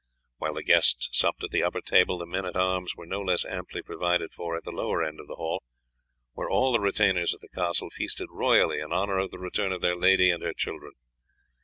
While the guests supped at the upper table, the men at arms were no less amply provided for at the lower end of the hall, where all the retainers at the castle feasted royally in honour of the return of their lady and her children.